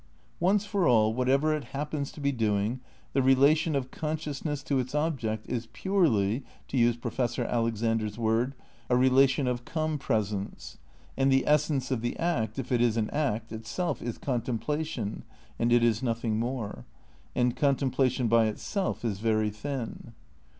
Once for all, whatever it happens to be doing, the relation of consciousness to its object is purely, to use Professor Alexander's word, a relation of "compres ence." And the essence of the act — if it is an act — itself is '' contemplation" and it is nothing more. And contemplation, by itself, is very thin.